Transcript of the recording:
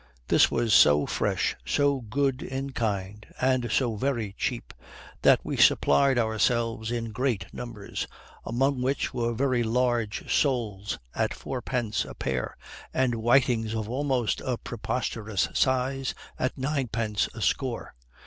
This was so fresh, so good in kind, and so very cheap, that we supplied ourselves in great numbers, among which were very large soles at fourpence a pair, and whitings of almost a preposterous size at ninepence a score.